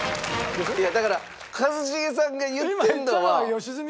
いやだから一茂さんが言ってるのは。